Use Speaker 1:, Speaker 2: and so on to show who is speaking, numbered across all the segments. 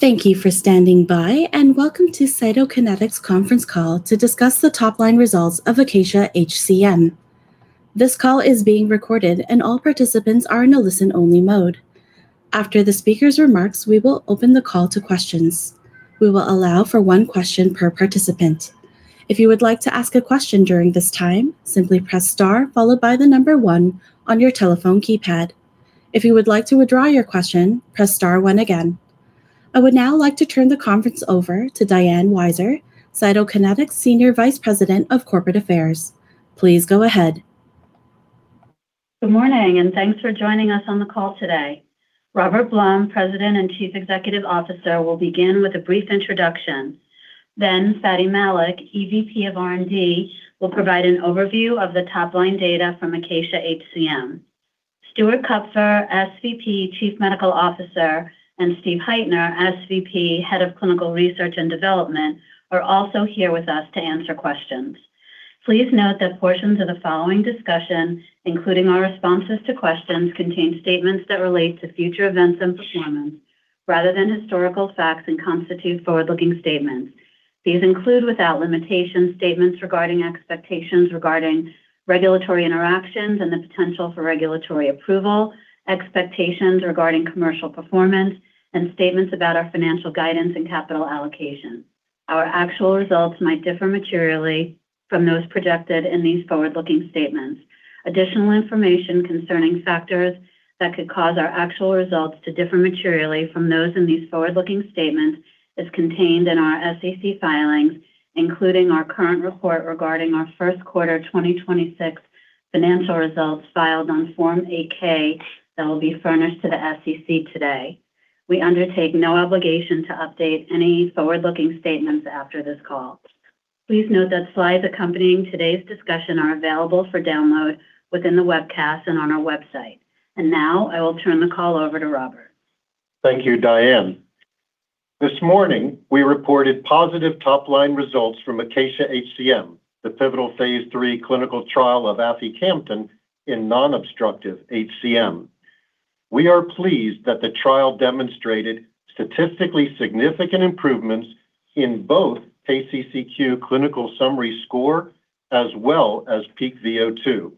Speaker 1: Thank you for standing by, and welcome to Cytokinetics conference call to discuss the top-line results of ACACIA-HCM. This call is being recorded, and all participants are in a listen-only mode. After the speaker's remarks, we will open the call to questions. We will allow for one question per participant. If you would like to ask a question during this time, simply press star followed by the number one on your telephone keypad. If you would like to withdraw your question, press star one again. I would now like to turn the conference over to Diane Weiser, Cytokinetics Senior Vice President of Corporate Affairs. Please go ahead.
Speaker 2: Good morning, and thanks for joining us on the call today. Robert Blum, President and Chief Executive Officer, will begin with a brief introduction. Fady Malik, EVP of R&D, will provide an overview of the top-line data from ACACIA-HCM. Stuart Kupfer, SVP, Chief Medical Officer, and Stephen Heitner, SVP, Head of Clinical Research and Development, are also here with us to answer questions. Please note that portions of the following discussion, including our responses to questions, contain statements that relate to future events and performance rather than historical facts, and constitute forward-looking statements. These include, without limitation, statements regarding expectations regarding regulatory interactions and the potential for regulatory approval, expectations regarding commercial performance, and statements about our financial guidance and capital allocation. Our actual results might differ materially from those projected in these forward-looking statements. Additional information concerning factors that could cause our actual results to differ materially from those in these forward-looking statements is contained in our SEC filings, including our current report regarding our first quarter 2026 financial results filed on Form 8-K that will be furnished to the SEC today. We undertake no obligation to update any forward-looking statements after this call. Please note that slides accompanying today's discussion are available for download within the webcast and on our website. Now I will turn the call over to Robert.
Speaker 3: Thank you, Diane. This morning, we reported positive top-line results from ACACIA-HCM, the pivotal phase III clinical trial of aficamten in non-obstructive HCM. We are pleased that the trial demonstrated statistically significant improvements in both KCCQ clinical summary score as well as peak VO2,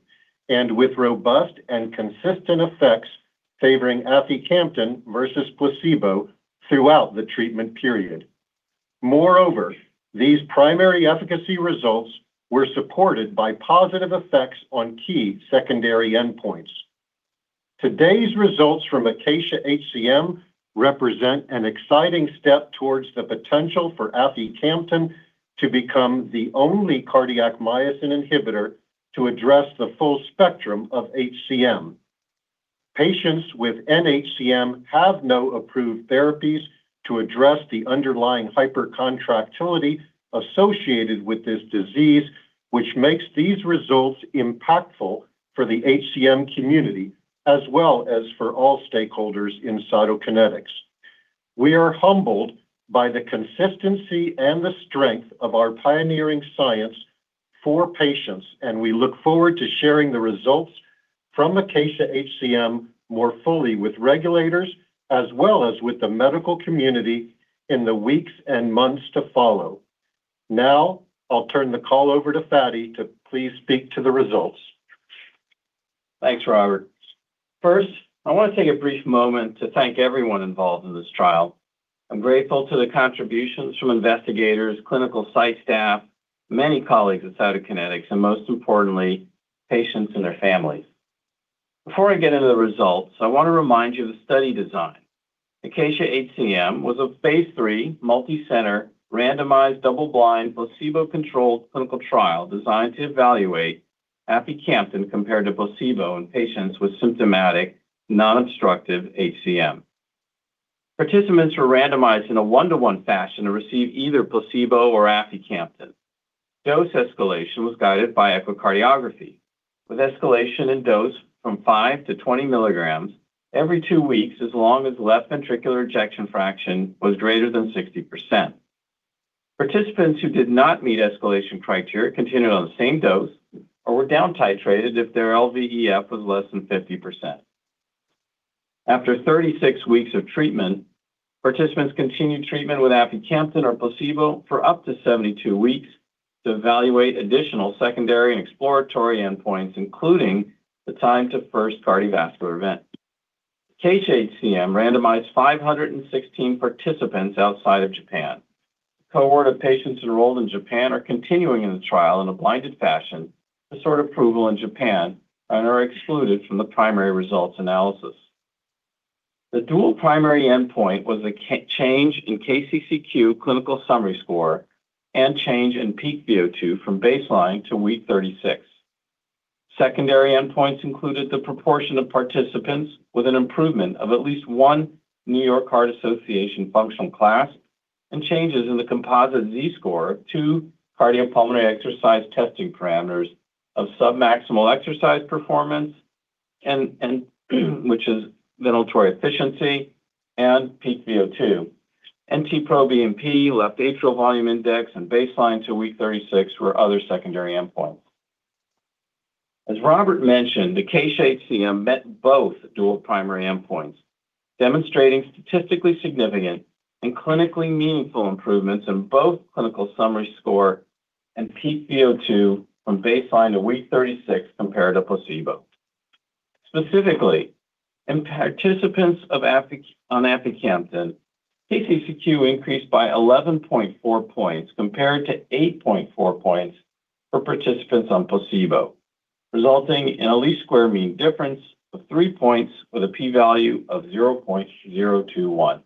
Speaker 3: and with robust and consistent effects favoring aficamten versus placebo throughout the treatment period. Moreover, these primary efficacy results were supported by positive effects on key secondary endpoints. Today's results from ACACIA-HCM represent an exciting step towards the potential for aficamten to become the only cardiac myosin inhibitor to address the full spectrum of HCM. Patients with nHCM have no approved therapies to address the underlying hypercontractility associated with this disease, which makes these results impactful for the HCM community as well as for all stakeholders in Cytokinetics. We are humbled by the consistency and the strength of our pioneering science for patients, and we look forward to sharing the results from ACACIA-HCM more fully with regulators as well as with the medical community in the weeks and months to follow. Now, I'll turn the call over to Fady to please speak to the results.
Speaker 4: Thanks, Robert. First, I want to take a brief moment to thank everyone involved in this trial. I'm grateful to the contributions from investigators, clinical site staff, many colleagues at Cytokinetics, and most importantly, patients and their families. Before I get into the results, I want to remind you of the study design. ACACIA-HCM was a phase III multi-center randomized double-blind placebo-controlled clinical trial designed to evaluate aficamten compared to placebo in patients with symptomatic non-obstructive HCM. Participants were randomized in a one-to-one fashion to receive either placebo or aficamten. Dose escalation was guided by echocardiography with escalation in dose from five to 20 milligrams every two weeks, as long as left ventricular ejection fraction was greater than 60%. Participants who did not meet escalation criteria continued on the same dose or were down titrated if their LVEF was less than 50%. After 36 weeks of treatment, participants continued treatment with aficamten or placebo for up to 72 weeks to evaluate additional secondary and exploratory endpoints, including the time to first cardiovascular event. ACACIA-HCM randomized 516 participants outside of Japan. A cohort of patients enrolled in Japan are continuing in the trial in a blinded fashion to sort approval in Japan and are excluded from the primary results analysis. The dual primary endpoint was a change in KCCQ clinical summary score and change in peak VO2 from baseline to week 36. Secondary endpoints included the proportion of participants with an improvement of at least one New York Heart Association functional class and changes in the composite Z-score to cardiopulmonary exercise testing parameters of submaximal exercise performance and which is ventilatory efficiency and peak VO2. NT-proBNP, left atrial volume index, and baseline to week 36 were other secondary endpoints. As Robert mentioned, the ACACIA-HCM met both dual primary endpoints demonstrating statistically significant and clinically meaningful improvements in both clinical summary score and peak VO2 from baseline to week 36 compared to placebo. Specifically, in participants on aficamten, KCCQ increased by 11.4 points compared to 8.4 points for participants on placebo, resulting in a least-squares mean difference of three points with a P=0.021.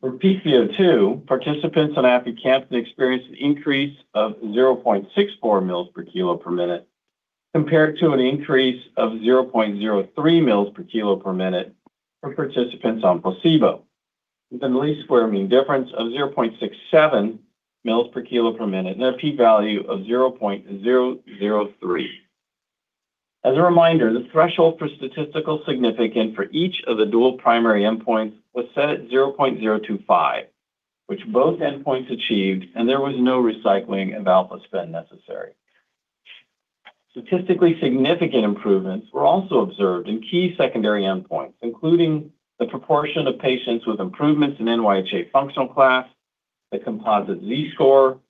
Speaker 4: For peak VO2, participants on aficamten experienced an increase of 0.64 mils per kilo per minute compared to an increase of 0.03 mils per kilo per minute for participants on placebo, with a least-squares mean difference of 0.67 mils per kilo per minute and a P= 0.003. A reminder, the threshold for statistical significance for each of the dual primary endpoints was set at 0.025, which both endpoints achieved, and there was no recycling of alpha spend necessary. Statistically significant improvements were also observed in key secondary endpoints, including the proportion of patients with improvements in NYHA functional class, the composite Z-score,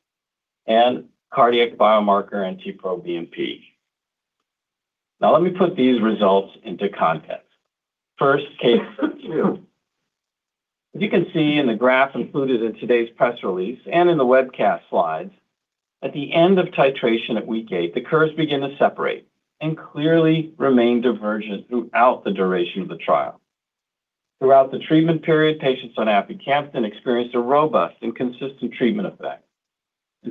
Speaker 4: and cardiac biomarker NT-proBNP. Let me put these results into context. ACACIA-HCM. As you can see in the graph included in today's press release and in the webcast slides, at the end of titration at week eight, the curves begin to separate and clearly remain divergent throughout the duration of the trial. Throughout the treatment period, patients on aficamten experienced a robust and consistent treatment effect.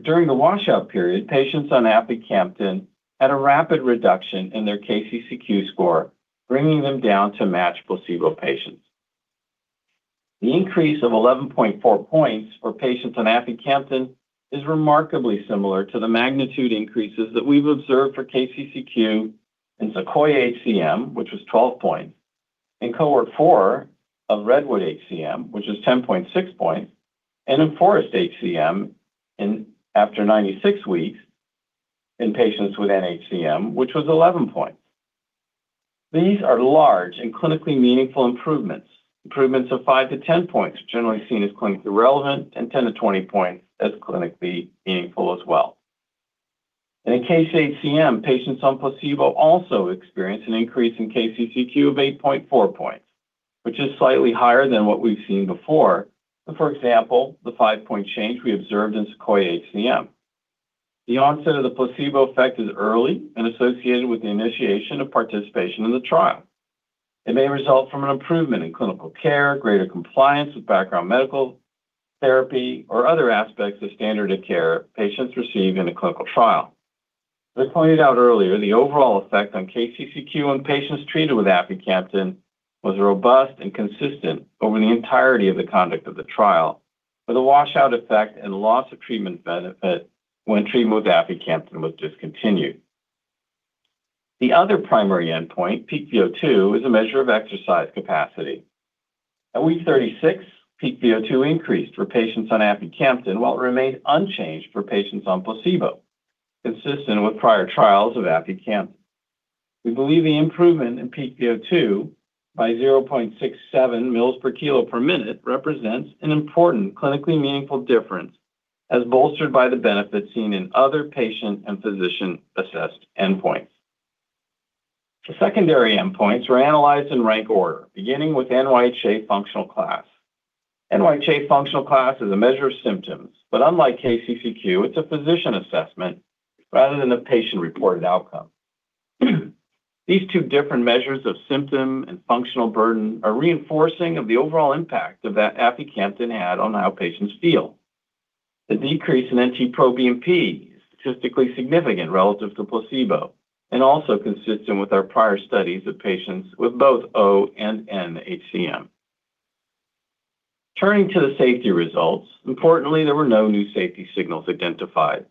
Speaker 4: During the washout period, patients on aficamten had a rapid reduction in their KCCQ score, bringing them down to match placebo patients. The increase of 11.4 points for patients on aficamten is remarkably similar to the magnitude increases that we've observed for KCCQ in SEQUOIA-HCM, which was 12 points, in Cohort 4 of REDWOOD-HCM, which is 10.6 points, and in FOREST-HCM after 96 weeks in patients with nHCM, which was 11 points. These are large and clinically meaningful improvements. Improvements of five-10 points are generally seen as clinically relevant and 10-20 points as clinically meaningful as well. In ACACIA-HCM, patients on placebo also experienced an increase in KCCQ of 8.4 points, which is slightly higher than what we've seen before. For example, the five-point change we observed in SEQUOIA-HCM. The onset of the placebo effect is early and associated with the initiation of participation in the trial. It may result from an improvement in clinical care, greater compliance with background medical therapy, or other aspects of standard of care patients receive in a clinical trial. As I pointed out earlier, the overall effect on KCCQ on patients treated with aficamten was robust and consistent over the entirety of the conduct of the trial, with a washout effect and loss of treatment benefit when treatment with aficamten was discontinued. The other primary endpoint, peak VO2, is a measure of exercise capacity. At week 36, peak VO2 increased for patients on aficamten while it remained unchanged for patients on placebo, consistent with prior trials of aficamten. We believe the improvement in peak VO2 by 0.67 mils per kilo per minute represents an important clinically meaningful difference as bolstered by the benefits seen in other patient and physician assessed endpoints. The secondary endpoints were analyzed in rank order beginning with NYHA functional class. NYHA functional class is a measure of symptoms, but unlike KCCQ, it's a physician assessment rather than a patient reported outcome. These two different measures of symptom and functional burden are reinforcing of the overall impact of that aficamten had on how patients feel. The decrease in NT-proBNP is statistically significant relative to placebo and also consistent with our prior studies of patients with both oHCM and nHCM. Turning to the safety results, importantly, there were no new safety signals identified.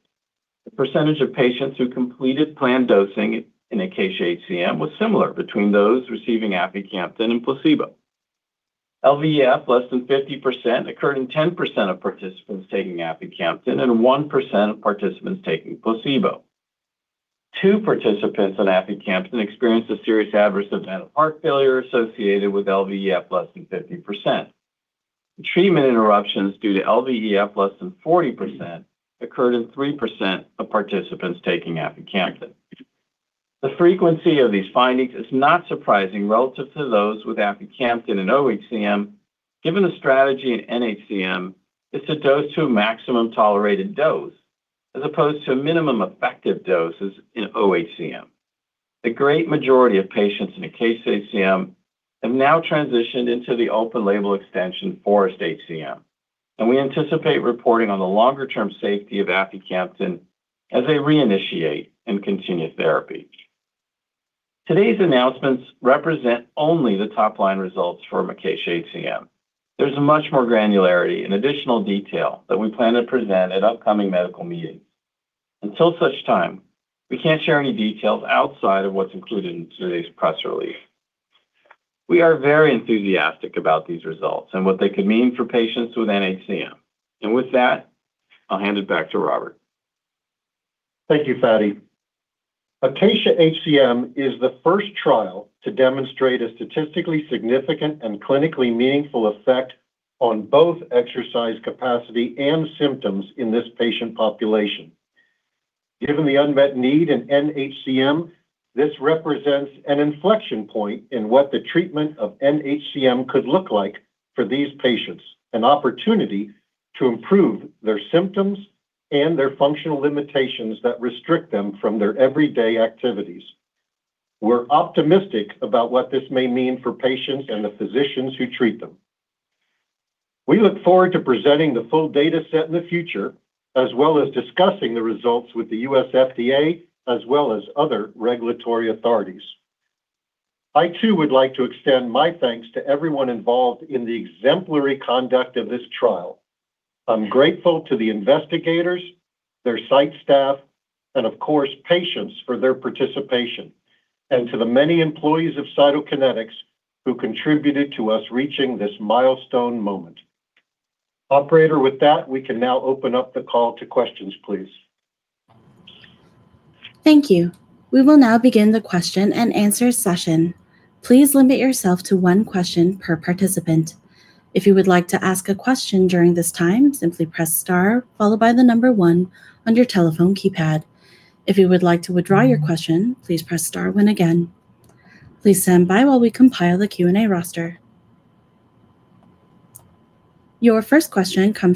Speaker 4: The percentage of patients who completed planned dosing in ACACIA-HCM was similar between those receiving aficamten and placebo. LVEF less than 50% occurred in 10% of participants taking aficamten and 1% of participants taking placebo. Two participants on aficamten experienced a Serious Adverse Event of heart failure associated with LVEF less than 50%. Treatment interruptions due to LVEF less than 40% occurred in 3% of participants taking aficamten. The frequency of these findings is not surprising relative to those with aficamten in oHCM. Given the strategy in nHCM, it's a dose to maximum tolerated dose as opposed to minimum effective doses in oHCM. The great majority of patients in the ACACIA-HCM have now transitioned into the open-label extension FOREST-HCM, and we anticipate reporting on the longer-term safety of aficamten as they reinitiate and continue therapy. Today's announcements represent only the top-line results for ACACIA-HCM. There's much more granularity and additional detail that we plan to present at upcoming medical meetings. Until such time, we can't share any details outside of what's included in today's press release. We are very enthusiastic about these results and what they could mean for patients with nHCM. With that, I'll hand it back to Robert.
Speaker 3: Thank you, Fady. ACACIA-HCM is the first trial to demonstrate a statistically significant and clinically meaningful effect on both exercise capacity and symptoms in this patient population. Given the unmet need in nHCM, this represents an inflection point in what the treatment of nHCM could look like for these patients, an opportunity to improve their symptoms and their functional limitations that restrict them from their everyday activities. We're optimistic about what this may mean for patients and the physicians who treat them. We look forward to presenting the full data set in the future, as well as discussing the results with the U.S. FDA, as well as other regulatory authorities. I, too, would like to extend my thanks to everyone involved in the exemplary conduct of this trial. I'm grateful to the investigators, their site staff, and of course, patients for their participation, and to the many employees of Cytokinetics who contributed to us reaching this milestone moment. Operator, with that, we can now open up the call to questions, please.
Speaker 1: Thank you. We will now begin the question and answer session. Please limit yourself to one question per participant. Your first question comes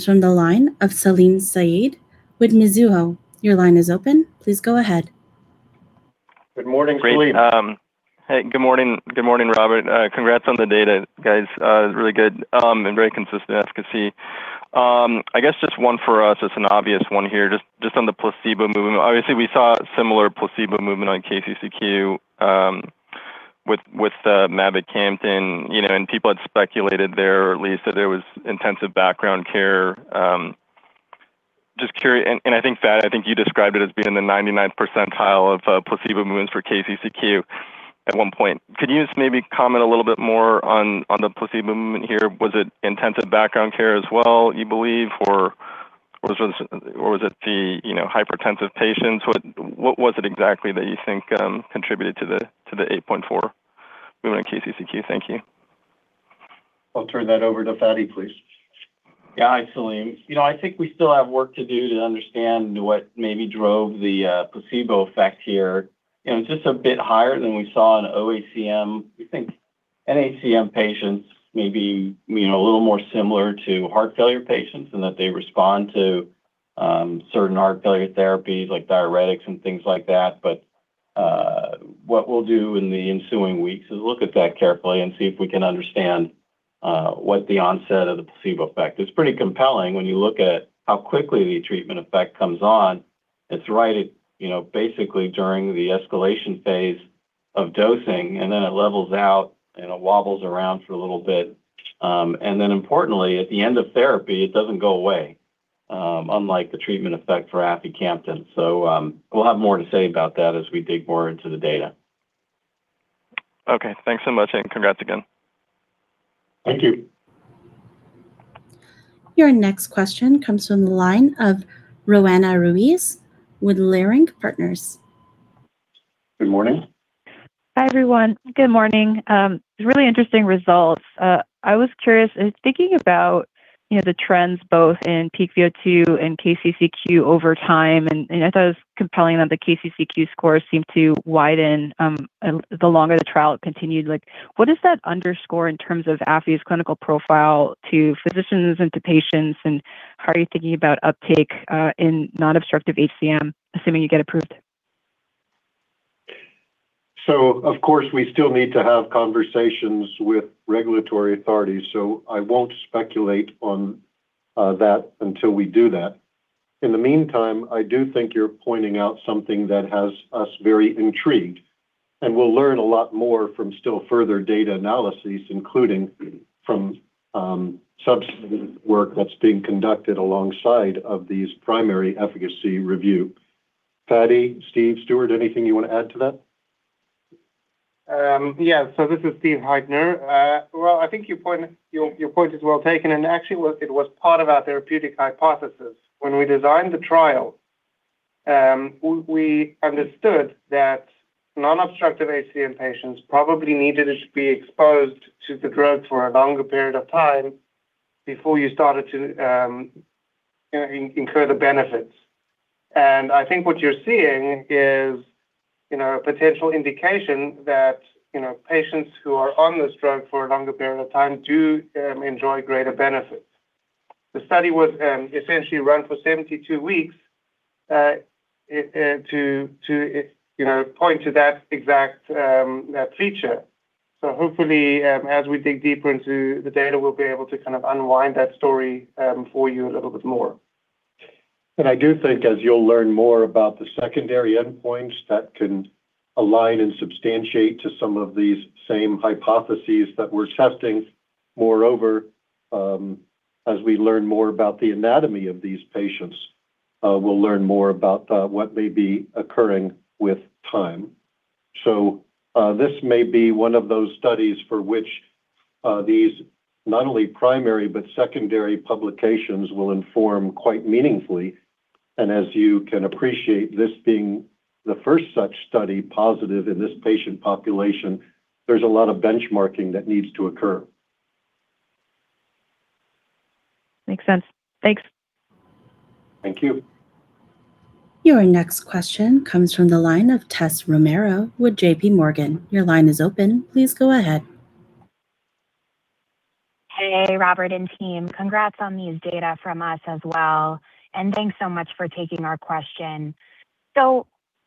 Speaker 1: from the line of Salim Syed with Mizuho. Your line is open. Please go ahead.
Speaker 3: Good morning, Salim.
Speaker 5: Great. Hey, good morning. Good morning, Robert. Congrats on the data, guys. Really good and very consistent efficacy. I guess just one for us. It's an obvious one here. Just on the placebo movement, obviously we saw similar placebo movement on KCCQ with mavacamten, you know, and people had speculated there, at least, that there was intensive background care. I think, Fady, I think you described it as being in the 99th percentile of placebo movements for KCCQ at one point. Could you just maybe comment a little bit more on the placebo movement here? Was it intensive background care as well, you believe, or was it the, you know, hypertensive patients? What was it exactly that you think contributed to the 8.4 movement in KCCQ? Thank you.
Speaker 3: I'll turn that over to Fady, please.
Speaker 4: Yeah. Hi, Salim Syed. You know, I think we still have work to do to understand what maybe drove the placebo effect here. You know, it's just a bit higher than we saw in oHCM. We think nHCM patients may be, you know, a little more similar to heart failure patients in that they respond to certain heart failure therapies like diuretics and things like that. What we'll do in the ensuing weeks is look at that carefully and see if we can understand what the onset of the placebo effect. It's pretty compelling when you look at how quickly the treatment effect comes on. It's right at, you know, basically during the escalation phase of dosing, and then it levels out, and it wobbles around for a little bit. Importantly, at the end of therapy, it doesn't go away, unlike the treatment effect for aficamten. We'll have more to say about that as we dig more into the data.
Speaker 5: Okay. Thanks so much. Congrats again.
Speaker 3: Thank you.
Speaker 1: Your next question comes from the line of Roanna Ruiz with Leerink Partners.
Speaker 3: Good morning.
Speaker 6: Hi, everyone. Good morning. Really interesting results. I was curious. In thinking about, you know, the trends both in PVO2 and KCCQ over time, I thought it was compelling that the KCCQ scores seemed to widen the longer the trial continued. Like, what does that underscore in terms of AFI's clinical profile to physicians and to patients, and how are you thinking about uptake in non-obstructive HCM, assuming you get approved?
Speaker 3: Of course, we still need to have conversations with regulatory authorities, so I won't speculate on that until we do that. In the meantime, I do think you're pointing out something that has us very intrigued, and we'll learn a lot more from still further data analyses, including from substantive work that's being conducted alongside of these primary efficacy review. Fady Malik, Stephen Heitner, Stuart Kupfer, anything you want to add to that?
Speaker 7: Yeah. This is Stephen Heitner. Well, I think your point is well taken. Actually, it was part of our therapeutic hypothesis. When we designed the trial, we understood that non-obstructive HCM patients probably needed to be exposed to the drug for a longer period of time before you started to, you know, incur the benefits. I think what you're seeing is, you know, a potential indication that, you know, patients who are on this drug for a longer period of time do enjoy greater benefits. The study was essentially run for 72 weeks to, you know, point to that exact feature. Hopefully, as we dig deeper into the data, we'll be able to kind of unwind that story for you a little bit more.
Speaker 3: I do think as you'll learn more about the secondary endpoints that can align and substantiate to some of these same hypotheses that we're testing. Moreover, as we learn more about the anatomy of these patients, we'll learn more about what may be occurring with time. This may be one of those studies for which these not only primary but secondary publications will inform quite meaningfully. As you can appreciate, this being the first such study positive in this patient population, there's a lot of benchmarking that needs to occur.
Speaker 6: Makes sense. Thanks.
Speaker 3: Thank you.
Speaker 1: Your next question comes from the line of Tess Romero with JPMorgan. Your line is open. Please go ahead.
Speaker 8: Hey, Robert Blum and team. Congrats on these data from us as well. Thanks so much for taking our question.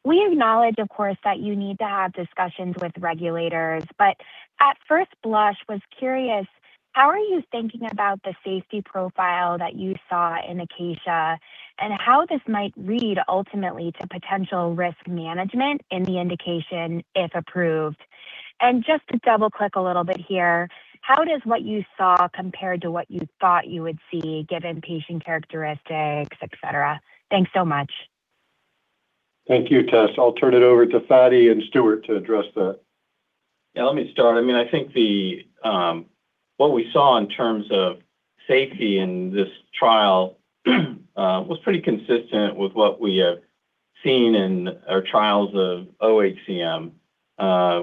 Speaker 8: We acknowledge, of course, that you need to have discussions with regulators, but at first blush, was curious, how are you thinking about the safety profile that you saw in ACACIA and how this might lead ultimately to potential risk management in the indication if approved? Just to double-click a little bit here, how does what you saw compare to what you thought you would see given patient characteristics, et cetera? Thanks so much.
Speaker 3: Thank you, Tess Romero. I'll turn it over to Fady and Stuart to address that.
Speaker 4: Yeah, let me start. I mean, I think the what we saw in terms of safety in this trial was pretty consistent with what we have seen in our trials of oHCM.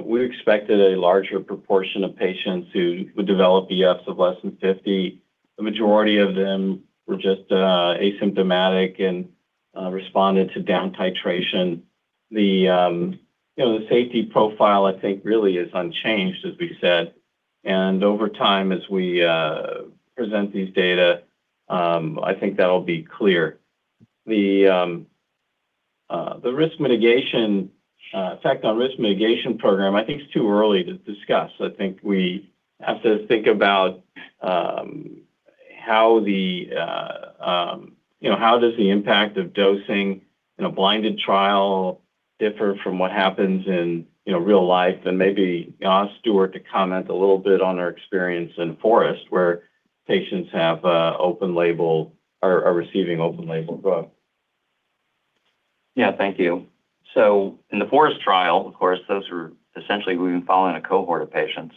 Speaker 4: We expected a larger proportion of patients who would develop EFs of less than 50. The majority of them were just, asymptomatic and, responded to down titration. The, you know, the safety profile, I think, really is unchanged, as we said. Over time, as we present these data, I think that'll be clear. The risk mitigation, effect on risk mitigation program, I think it's too early to discuss. I think we have to think about how the, you know, how does the impact of dosing in a blinded trial differ from what happens in, you know, real life? Maybe ask Stuart to comment a little bit on our experience in FOREST-HCM where patients have open label or are receiving open label drug.
Speaker 9: Thank you. In the FOREST-HCM trial, of course, those were we've been following a cohort of patients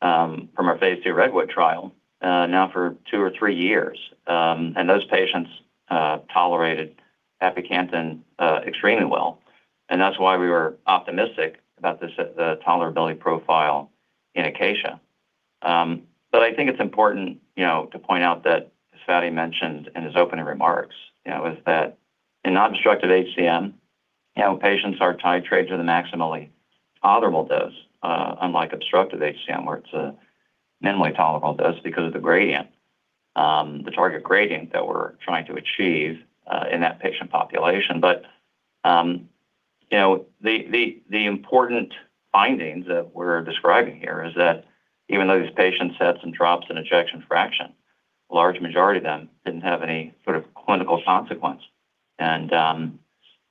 Speaker 9: from our phase II REDWOOD-HCM trial, now for two or three years. Those patients tolerated aficamten extremely well. That's why we were optimistic about the tolerability profile in ACACIA. I think it's important, you know, to point out that Fady mentioned in his opening remarks, you know, is that in non-obstructive HCM, you know, patients are titrated to the maximally tolerable dose, unlike obstructive HCM where it's a minimally tolerable dose because of the gradient, the target gradient that we're trying to achieve in that patient population. You know, the important findings that we're describing here is that even though these patients had some drops in ejection fraction, a large majority of them didn't have any sort of clinical consequence.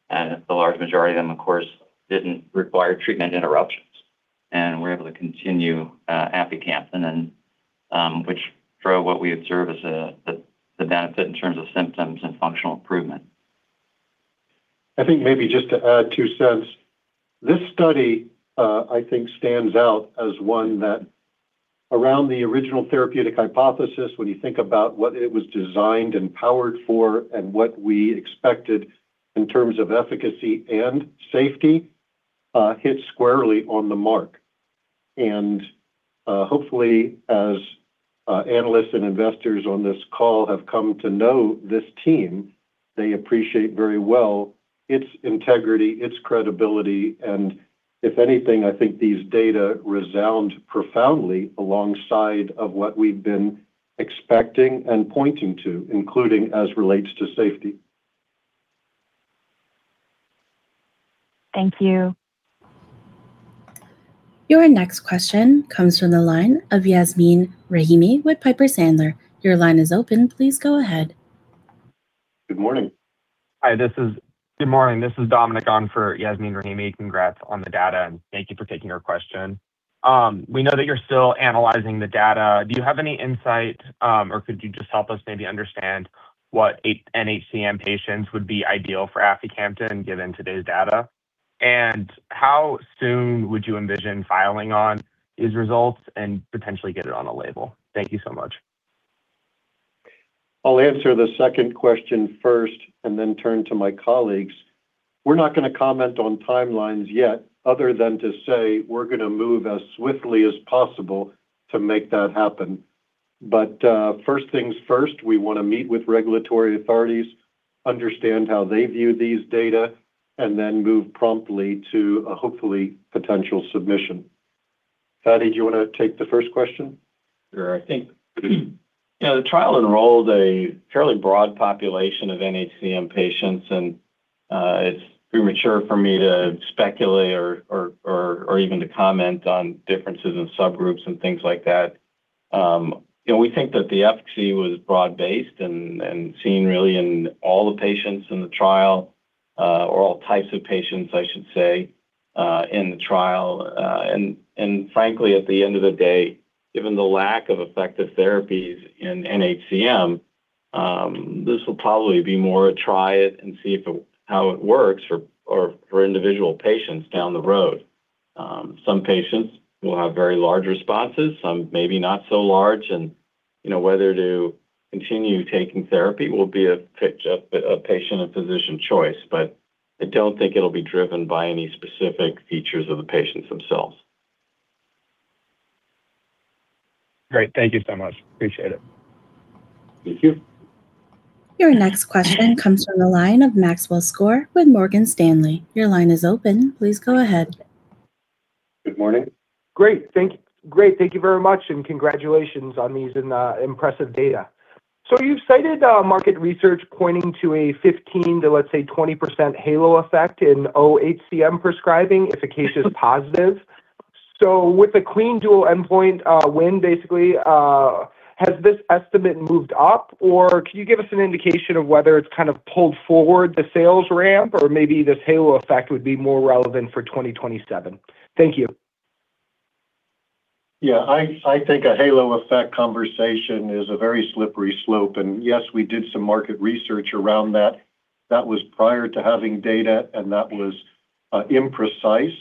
Speaker 9: The large majority of them, of course, didn't require treatment interruptions. Were able to continue aficamten, which drove what we observe as a benefit in terms of symptoms and functional improvement.
Speaker 3: I think maybe just to add $0.20. This study, I think stands out as one that around the original therapeutic hypothesis, when you think about what it was designed and powered for and what we expected in terms of efficacy and safety, hit squarely on the mark. Hopefully, as analysts and investors on this call have come to know this team, they appreciate very well its integrity, its credibility. If anything, I think these data resound profoundly alongside of what we've been expecting and pointing to, including as relates to safety.
Speaker 8: Thank you.
Speaker 1: Your next question comes from the line of Yasmeen Rahimi with Piper Sandler. Your line is open. Please go ahead.
Speaker 3: Good morning.
Speaker 10: Good morning. This is Dominic on for Yasmeen Rahimi. Congrats on the data, and thank you for taking our question. We know that you're still analyzing the data. Do you have any insight, or could you just help us maybe understand what nHCM patients would be ideal for aficamten given today's data? How soon would you envision filing on these results and potentially get it on a label? Thank you so much.
Speaker 3: I'll answer the second question first and then turn to my colleagues. We're not gonna comment on timelines yet other than to say we're gonna move as swiftly as possible to make that happen. First things first, we wanna meet with regulatory authorities, understand how they view these data, and then move promptly to a hopefully potential submission. Fady, do you wanna take the first question?
Speaker 4: Sure. I think, you know, the trial enrolled a fairly broad population of nHCM patients, and it's premature for me to speculate or even to comment on differences in subgroups and things like that. You know, we think that the efficacy was broad-based and seen really in all the patients in the trial. Or all types of patients, I should say, in the trial. Frankly, at the end of the day, given the lack of effective therapies in nHCM, this will probably be more a try it and see how it works for individual patients down the road. Some patients will have very large responses, some maybe not so large. You know, whether to continue taking therapy will be a patient and physician choice. I don't think it'll be driven by any specific features of the patients themselves.
Speaker 10: Great. Thank you so much. Appreciate it.
Speaker 3: Thank you.
Speaker 1: Your next question comes from the line of Maxwell Skor with Morgan Stanley. Your line is open. Please go ahead.
Speaker 3: Good morning.
Speaker 11: Great. Thank you very much, and congratulations on these and impressive data. You've cited market research pointing to a 15% to 20% halo effect in oHCM prescribing if a case is positive. With the clean dual endpoint win, has this estimate moved up? Can you give us an indication of whether it's kind of pulled forward the sales ramp or maybe this halo effect would be more relevant for 2027? Thank you.
Speaker 3: Yeah, I think a halo effect conversation is a very slippery slope. Yes, we did some market research around that. That was prior to having data and that was imprecise.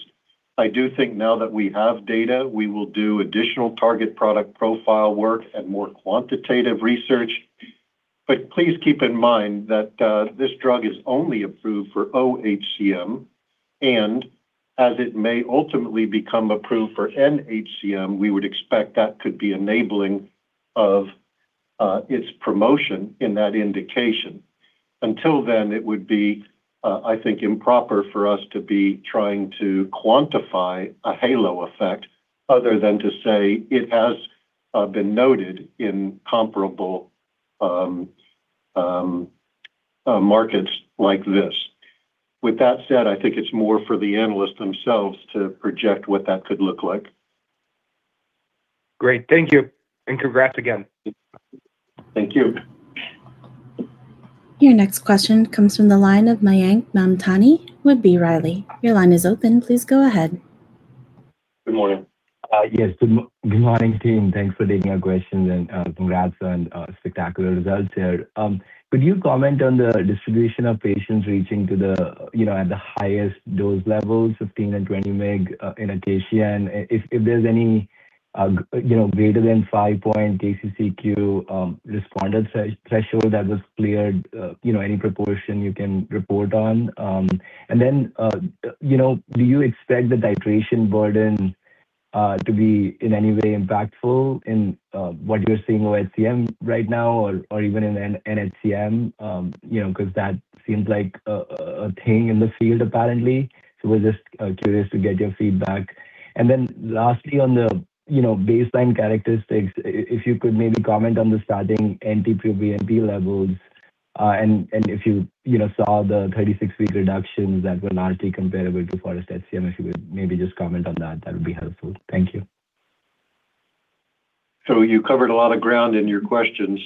Speaker 3: I do think now that we have data, we will do additional target product profile work and more quantitative research. Please keep in mind that this drug is only approved for oHCM. As it may ultimately become approved for nHCM, we would expect that could be enabling of its promotion in that indication. Until then, it would be, I think, improper for us to be trying to quantify a halo effect other than to say it has been noted in comparable markets like this. With that said, I think it's more for the analysts themselves to project what that could look like.
Speaker 11: Great. Thank you, and congrats again.
Speaker 3: Thank you.
Speaker 1: Your next question comes from the line of Mayank Mamtani with B. Riley. Your line is open. Please go ahead.
Speaker 3: Good morning.
Speaker 12: Yes. Good morning, team. Thanks for taking our questions and congrats on spectacular results here. Could you comment on the distribution of patients reaching to the, you know, at the highest dose levels, 15 and 20 mg in ACACIA? If there's any, you know, greater than five-point KCCQ responded threshold that was cleared, you know, any proportion you can report on. You know, do you expect the titration burden to be in any way impactful in what you're seeing with HCM right now or even in nHCM? You know, 'cause that seems like a thing in the field apparently. We're just curious to get your feedback. Lastly on the, you know, baseline characteristics, if you could maybe comment on the starting NT-proBNP levels, and if you know, saw the 36-week reductions that were largely comparable to FOREST-HCM. If you would maybe just comment on that would be helpful. Thank you.
Speaker 3: You covered a lot of ground in your questions.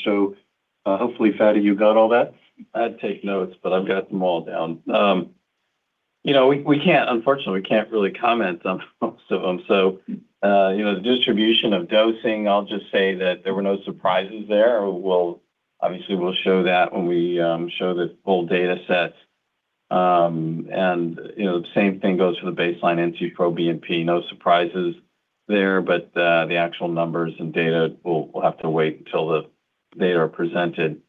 Speaker 3: Hopefully, Fady, you got all that.
Speaker 4: I'd take notes, but I've got them all down. you know, we can't, unfortunately, we can't really comment on most of them. you know, the distribution of dosing, I'll just say that there were no surprises there. obviously, we'll show that when we show the full data sets. you know, the same thing goes for the baseline NT-proBNP. No surprises there, the actual numbers and data will have to wait until the data are presented.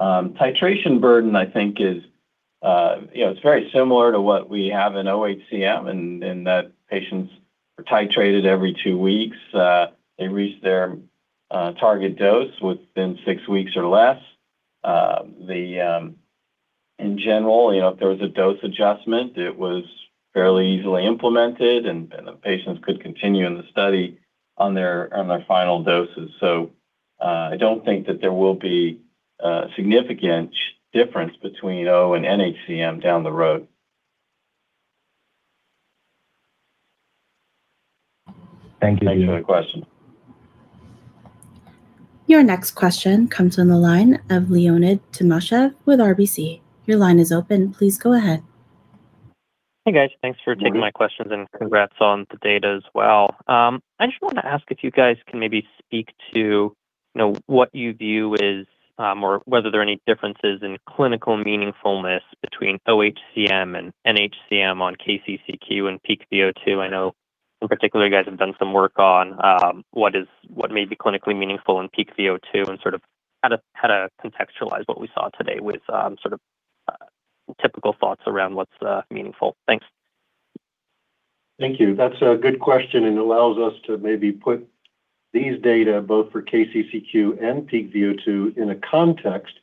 Speaker 4: Titration burden, I think, is, you know, it's very similar to what we have in oHCM in that patients are titrated every two weeks. They reach their target dose within six weeks or less. In general, you know, if there was a dose adjustment, it was fairly easily implemented and the patients could continue in the study on their final doses. I don't think that there will be a significant difference between O and nHCM down the road.
Speaker 12: Thank you.
Speaker 3: Thanks for the question.
Speaker 1: Your next question comes on the line of Leonid Timashev with RBC. Your line is open. Please go ahead.
Speaker 13: Hey, guys. Thanks for taking my questions, and congrats on the data as well. I just wanna ask if you guys can maybe speak to, you know, what you view is, or whether there are any differences in clinical meaningfulness between oHCM and nHCM on KCCQ and peak VO2. I know in particular you guys have done some work on what may be clinically meaningful in peak VO2 and sort of how to contextualize what we saw today with sort of typical thoughts around what's meaningful. Thanks.
Speaker 3: Thank you. That's a good question and allows us to maybe put these data both for KCCQ and peak VO2 in a context,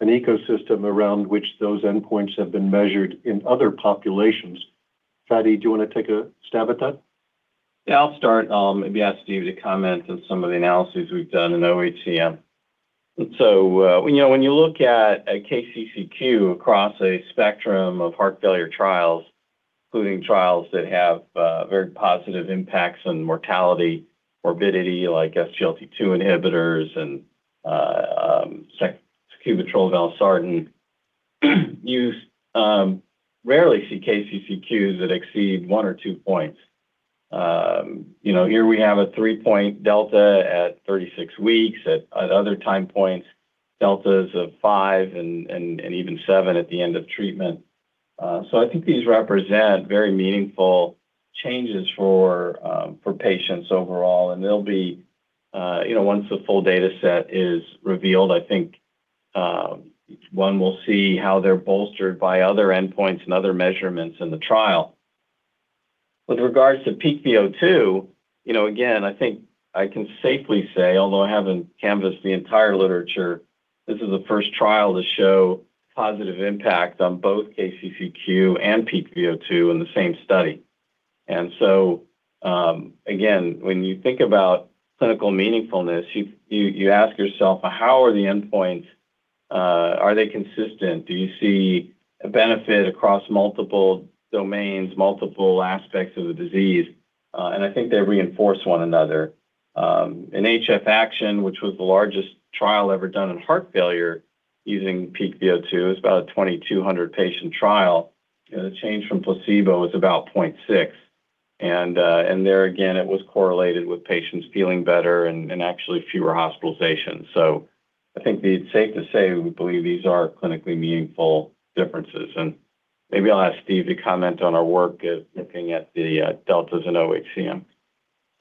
Speaker 3: an ecosystem around which those endpoints have been measured in other populations. Fady, do you wanna take a stab at that?
Speaker 4: Yeah, I'll start, and maybe ask Stephen to comment on some of the analyses we've done in oHCM. When, you know, when you look at a KCCQ across a spectrum of heart failure trials, including trials that have very positive impacts on mortality, morbidity, like SGLT2 inhibitors and sacubitril/valsartan. You rarely see KCCQs that exceed one or two points. You know, here we have a three-point delta at 36 weeks. At other data points, deltas of five and even seven at the end of treatment. I think these represent very meaningful changes for patients overall, and they'll be, you know, once the full data set is revealed, I think one will see how they're bolstered by other endpoints and other measurements in the trial. With regards to peak VO2, you know, again, I think I can safely say, although I haven't canvassed the entire literature, this is the first trial to show positive impact on both KCCQ and peak VO2 in the same study. Again, when you think about clinical meaningfulness, you ask yourself, Well, how are the endpoints? Are they consistent? Do you see a benefit across multiple domains, multiple aspects of the disease? I think they reinforce one another. In HF-ACTION, which was the largest trial ever done in heart failure using peak VO2, it was about a 2,200 patient trial, you know, the change from placebo was about 0.6. There again, it was correlated with patients feeling better and actually fewer hospitalizations. I think it's safe to say we believe these are clinically meaningful differences. Maybe I'll ask Stephen to comment on our work at looking at the deltas in oHCM.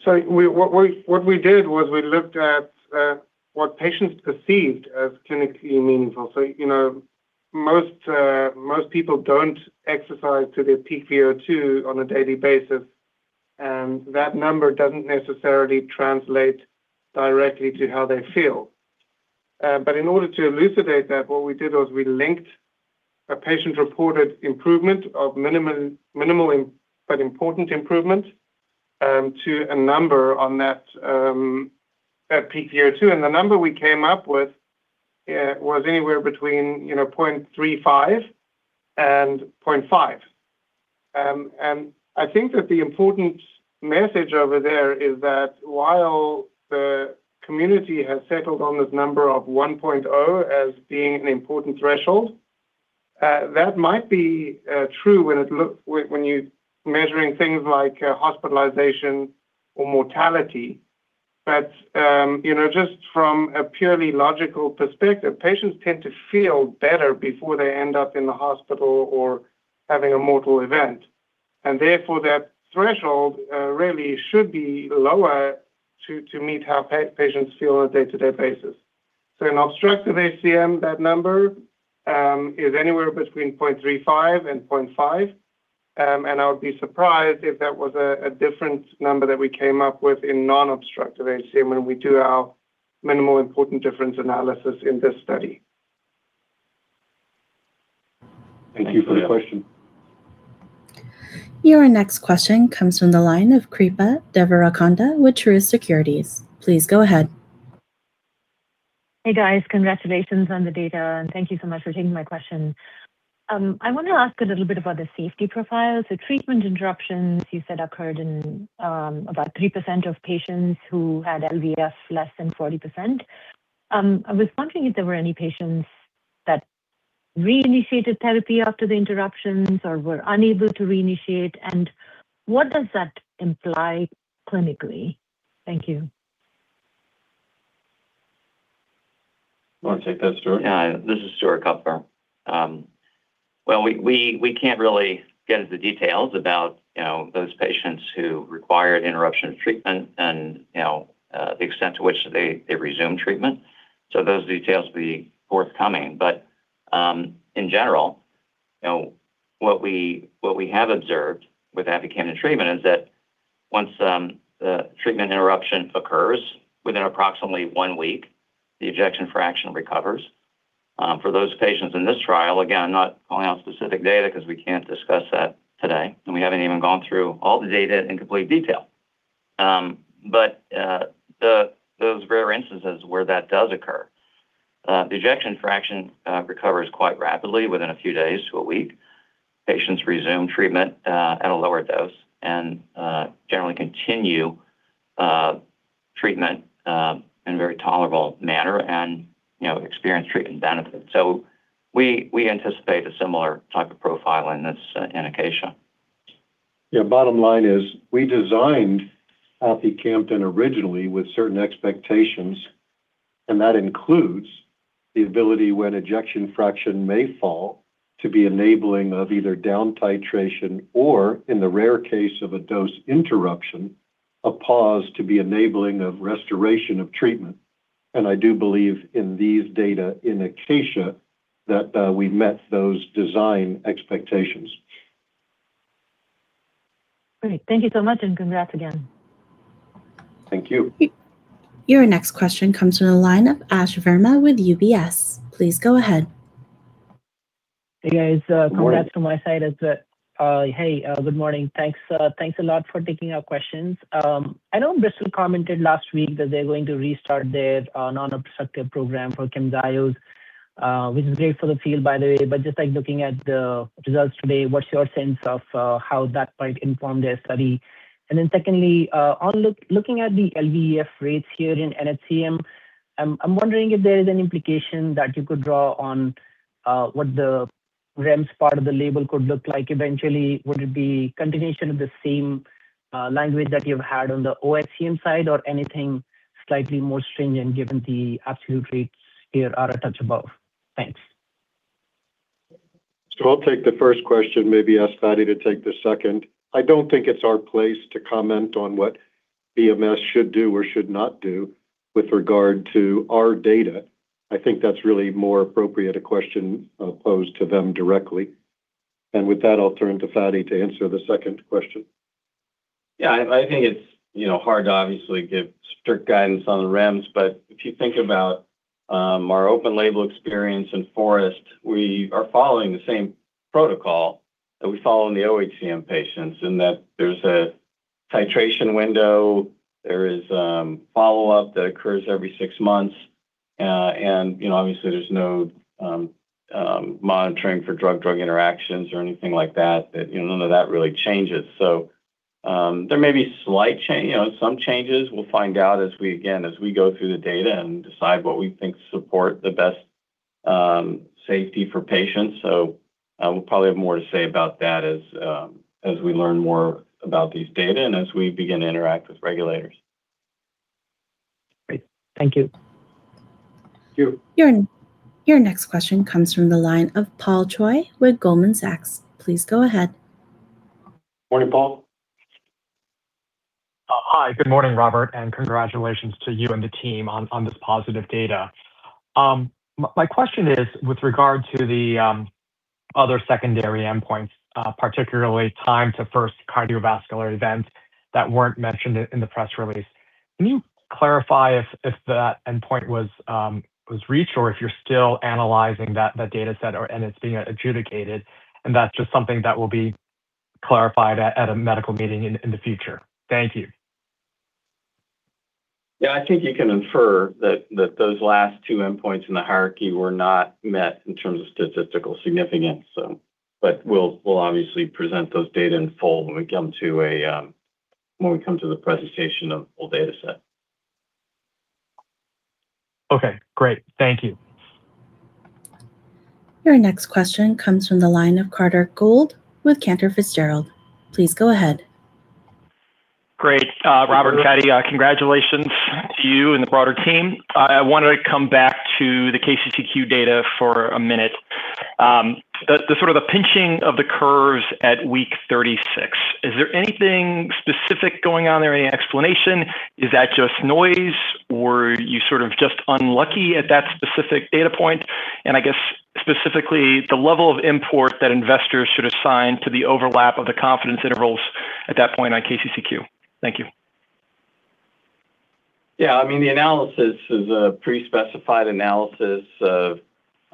Speaker 7: What we did was we looked at what patients perceived as clinically meaningful. You know, most people don't exercise to their peak VO2 on a daily basis, and that number doesn't necessarily translate directly to how they feel. In order to elucidate that, what we did was we linked a patient-reported improvement of minimal but important improvement to a number on that peak VO2. The number we came up with was anywhere between, you know, 0.35 and 0.5. I think that the important message over there is that while the community has settled on this number of 1.0 as being an important threshold, that might be true when you're measuring things like hospitalization or mortality. You know, just from a purely logical perspective, patients tend to feel better before they end up in the hospital or having a mortal event. Therefore, that threshold really should be lower to meet how patients feel on a day-to-day basis. In obstructive HCM, that number is anywhere between 0.35 and 0.5. I would be surprised if that was a different number that we came up with in non-obstructive HCM when we do our minimal important difference analysis in this study.
Speaker 13: Thank you.
Speaker 3: Thanks for the question.
Speaker 1: Your next question comes from the line of Kripa Devarakonda with Truist Securities. Please go ahead.
Speaker 14: Hey, guys. Congratulations on the data. Thank you so much for taking my question. I want to ask a little bit about the safety profile. Treatment interruptions you said occurred in about 3% of patients who had LVEF less than 40%. I was wondering if there were any patients that reinitiated therapy after the interruptions or were unable to reinitiate, what does that imply clinically? Thank you.
Speaker 3: You want to take that, Stuart?
Speaker 9: Yeah. This is Stuart Kupfer. Well, we can't really get into details about, you know, those patients who required interruption of treatment and, you know, the extent to which they resumed treatment. Those details will be forthcoming. In general, you know, what we have observed with aficamten treatment is that once a treatment interruption occurs, within approximately one week, the ejection fraction recovers. For those patients in this trial, again, not calling out specific data because we can't discuss that today, and we haven't even gone through all the data in complete detail. Those rare instances where that does occur, the ejection fraction recovers quite rapidly within a few days to one week. Patients resume treatment, at a lower dose and, generally continue, treatment, in very tolerable manner and, you know, experience treatment benefit. We anticipate a similar type of profile in this, ACACIA.
Speaker 3: Yeah. Bottom line is we designed aficamten originally with certain expectations, and that includes the ability when ejection fraction may fall to be enabling of either down titration or, in the rare case of a dose interruption, a pause to be enabling of restoration of treatment. I do believe in these data in ACACIA that we've met those design expectations.
Speaker 14: Great. Thank you so much, and congrats again.
Speaker 3: Thank you.
Speaker 1: Your next question comes from the line of Ashish Verma with UBS. Please go ahead.
Speaker 15: Hey, guys.
Speaker 3: Good morning.
Speaker 15: Congrats from my side as well. Good morning. Thanks, thanks a lot for taking our questions. I know Bristol commented last week that they're going to restart their non-obstructive program for CAMZYOS. Which is great for the field, by the way. Just, like, looking at the results today, what's your sense of how that might inform their study? Secondly, looking at the LVEF rates here in nHCM, I'm wondering if there is an implication that you could draw on what the REMS part of the label could look like eventually. Would it be continuation of the same language that you've had on the oHCM side or anything slightly more stringent given the absolute rates here are a touch above? Thanks.
Speaker 3: I'll take the first question, maybe ask Fady to take the second. I don't think it's our place to comment on what BMS should do or should not do with regard to our data. I think that's really more appropriate a question posed to them directly. With that, I'll turn to Fady to answer the second question.
Speaker 4: Yeah. I think it's, you know, hard to obviously give strict guidance on the REMS. If you think about our open label experience in FOREST-HCM, we are following the same protocol that we follow in the oHCM patients in that there's a titration window, there is follow-up that occurs every six months. You know, obviously there's no monitoring for drug-drug interactions or anything like that, you know, none of that really changes. There may be, you know, some changes we'll find out as we go through the data and decide what we think support the best safety for patients. We'll probably have more to say about that as we learn more about these data and as we begin to interact with regulators.
Speaker 15: Great. Thank you.
Speaker 3: Thank you.
Speaker 1: Your next question comes from the line of Paul Choi with Goldman Sachs. Please go ahead.
Speaker 3: Morning, Paul.
Speaker 16: Hi. Good morning, Robert, and congratulations to you and the team on this positive data. My question is with regard to the other secondary endpoints, particularly time to first cardiovascular event that weren't mentioned in the press release. Can you clarify if that endpoint was reached or if you're still analyzing that data set or, and it's being adjudicated and that's just something that will be clarified at a medical meeting in the future? Thank you.
Speaker 3: Yeah, I think you can infer that those last two endpoints in the hierarchy were not met in terms of statistical significance. We'll obviously present those data in full when we come to the presentation of the full data set.
Speaker 16: Okay, great. Thank you.
Speaker 1: Your next question comes from the line of Carter Gould with Cantor Fitzgerald. Please go ahead.
Speaker 17: Great. Robert, Fady, congratulations to you and the broader team. I wanted to come back to the KCCQ data for a minute. The sort of the pinching of the curves at week 36, is there anything specific going on there, any explanation? Is that just noise or you sort of just unlucky at that specific data point? I guess specifically the level of import that investors should assign to the overlap of the confidence intervals at that point on KCCQ. Thank you.
Speaker 4: Yeah, I mean, the analysis is a pre-specified analysis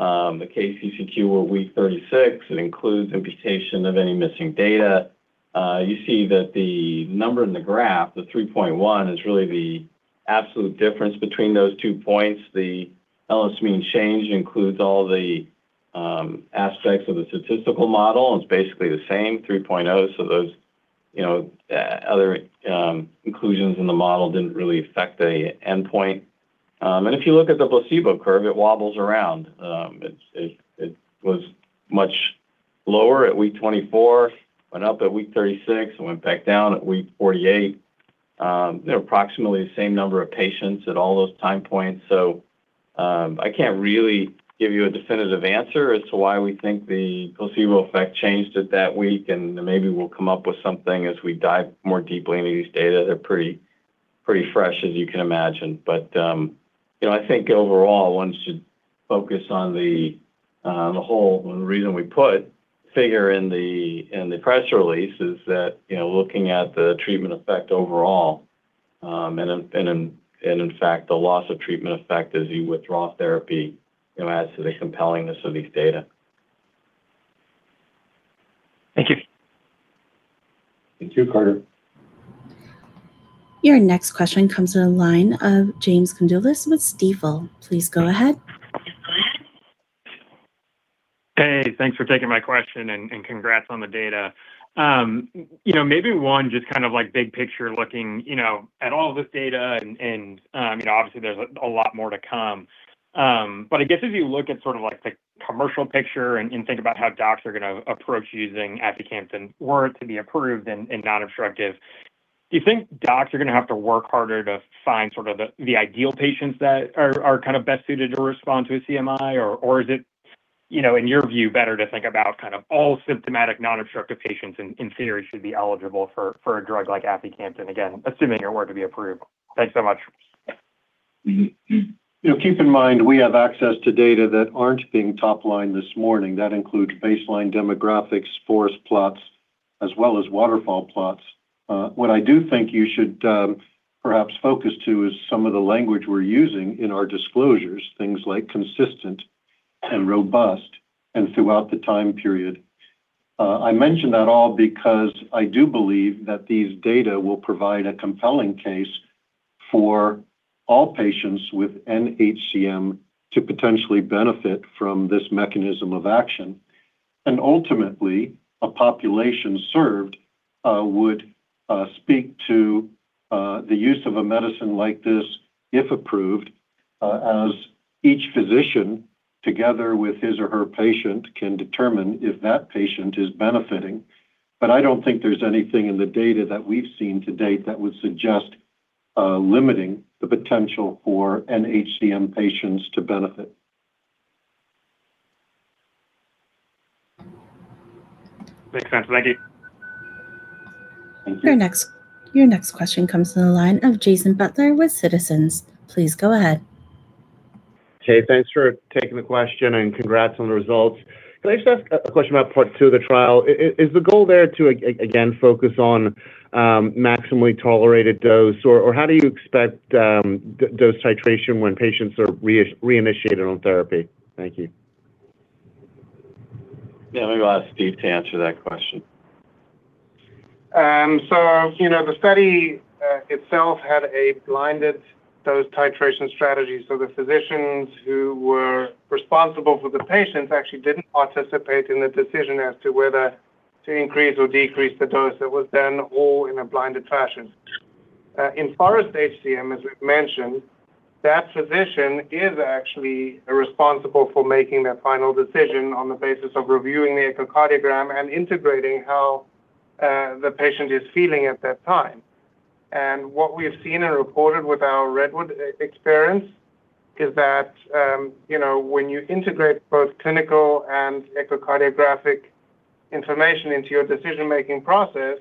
Speaker 4: of the KCCQ at week 36. It includes imputation of any missing data. You see that the number in the graph, the 3.1, is really the absolute difference between those two points. The LS mean change includes all the aspects of the statistical model, and it's basically the same, 3.0. Those, you know, other inclusions in the model didn't really affect a endpoint. If you look at the placebo curve, it wobbles around. It was much lower at week 24, went up at week 36, it went back down at week 48. There are approximately the same number of patients at all those time points, so I can't really give you a definitive answer as to why we think the placebo effect changed at that week, and maybe we'll come up with something as we dive more deeply into these data. They're pretty fresh, as you can imagine. You know, I think overall one should focus on the whole. The reason we put figure in the press release is that, you know, looking at the treatment effect overall, and in fact, the loss of treatment effect as you withdraw therapy, you know, adds to the compellingness of these data.
Speaker 17: Thank you.
Speaker 3: Thank you, Carter.
Speaker 1: Your next question comes to the line of James Condulis with Stifel. Please go ahead.
Speaker 3: Go ahead.
Speaker 18: Hey, thanks for taking my question and congrats on the data. You know, maybe one just kind of like big picture looking, you know, at all this data and, you know, obviously there's a lot more to come. I guess as you look at sort of like the commercial picture and think about how docs are gonna approach using aficamten were it to be approved in non-obstructive, do you think docs are gonna have to work harder to find sort of the ideal patients that are kind of best suited to respond to a CMI? Or is it, you know, in your view, better to think about kind of all symptomatic non-obstructive patients in theory should be eligible for a drug like aficamten? Again, assuming it were to be approved. Thanks so much.
Speaker 3: You know, keep in mind we have access to data that aren't being top-lined this morning. That includes baseline demographics, FOREST-HCM plots, as well as waterfall plots. What I do think you should perhaps focus to is some of the language we're using in our disclosures, things like consistent and robust and throughout the time period. I mention that all because I do believe that these data will provide a compelling case for all patients with an HCM to potentially benefit from this mechanism of action. Ultimately, a population served would speak to the use of a medicine like this, if approved, as each physician together with his or her patient can determine if that patient is benefiting. I don't think there's anything in the data that we've seen to date that would suggest limiting the potential for an HCM patients to benefit.
Speaker 18: Makes sense. Thank you.
Speaker 3: Thank you.
Speaker 1: Your next question comes to the line of Jason Butler with Citizens JMP. Please go ahead.
Speaker 19: Hey, thanks for taking the question, and congrats on the results. Can I just ask a question about part two of the trial? Is the goal there to again, focus on maximally tolerated dose? Or how do you expect dose titration when patients are reinitiating on therapy? Thank you.
Speaker 3: Yeah. Let me ask Stephen to answer that question.
Speaker 7: You know, the study itself had a blinded dose titration strategy. The physicians who were responsible for the patients actually didn't participate in the decision as to whether to increase or decrease the dose. It was done all in a blinded fashion. In far as HCM, as we've mentioned, that physician is actually responsible for making that final decision on the basis of reviewing the echocardiogram and integrating how the patient is feeling at that time. What we've seen and reported with our REDWOOD-HCM experience is that, you know, when you integrate both clinical and echocardiographic information into your decision-making process,